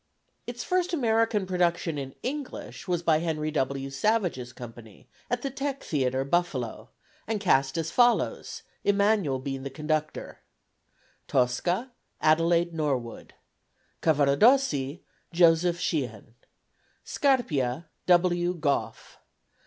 Its first American production in English was by Henry W. Savage's company, at the Teck Theatre, Buffalo, and cast as follows, Emanuel being the conductor: Tosca ADELAIDE NORWOOD. Cavaradossi JOSEPH SHEEHAN. Scarpia W. GOFF.